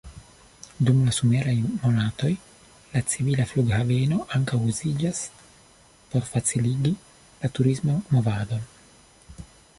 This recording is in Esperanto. Dum la someraj monatoj la civila flughaveno ankaŭ uziĝas por faciligi la turisman movadon.